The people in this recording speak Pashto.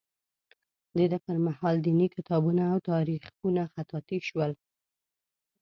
د ده پر مهال دیني کتابونه او تاریخونه خطاطي شول.